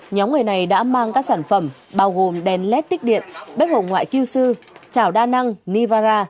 nhóm người này đã mang các sản phẩm bao gồm đèn led tích điện bếp hồng ngoại kiêu sư chảo đa năng nevara